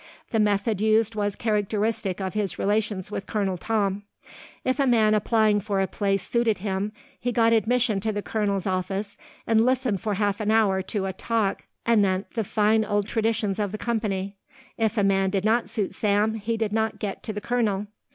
The method used was characteristic of his relations with Colonel Tom. If a man applying for a place suited him, he got admission to the colonel's office and listened for half an hour to a talk anent the fine old traditions of the company. If a man did not suit Sam, he did not get to the colonel.